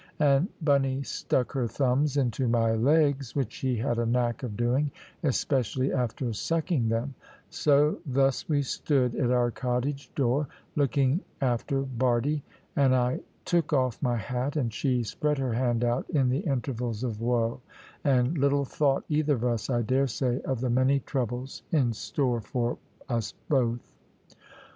And Bunny stuck her thumbs into my legs, which she had a knack of doing, especially after sucking them; so thus we stood, at our cottage door, looking after Bardie; and I took off my hat, and she spread her hand out, in the intervals of woe; and little thought either of us, I daresay, of the many troubles in store for us both.